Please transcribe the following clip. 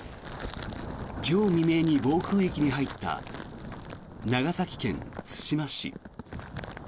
今日未明に暴風域に入った長崎県対馬市。